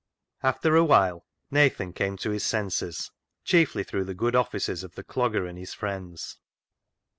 After a while, Nathan came to his senses, chiefly through the good offices of the Clogger and his friends.